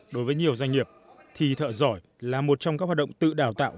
đối với nhiều doanh nghiệp thì thợ giỏi là một trong các hoạt động tự đào tạo